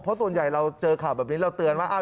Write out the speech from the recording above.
เพราะส่วนใหญ่เราเจอข่าวแบบนี้เราเตือนว่า